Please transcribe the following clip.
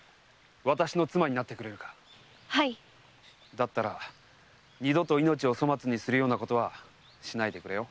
だったら二度と命を粗末にするようなことはしないでくれよ。